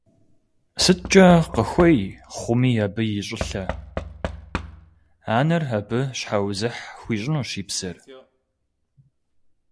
СыткӀэ къыхуей хъуми абы щӀылъэ – анэр абы щхьэузыхь хуищӀынущ и псэр.